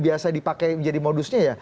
biasa dipakai menjadi modusnya ya